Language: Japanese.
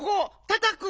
たたく！